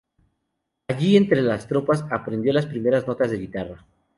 Allí entre las tropas, aprendió las primeras notas de guitarra.